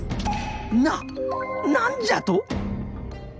な何じゃと！